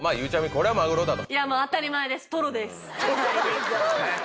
これはマグロだと。